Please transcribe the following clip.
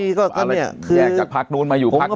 แยกจากภาคนู้นมาอยู่ภาคนี้